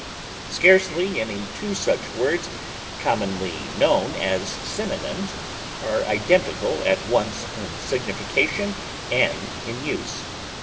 Scarcely any two of such words, commonly known as synonyms, are identical at once in signification and in use.